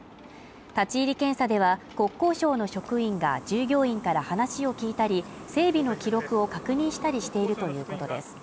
立ち入り検査では国交省の職員が従業員から話を聞いたり整備の記録を確認したりしてるということです